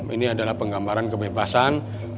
ini adalah penggambaran kebebasan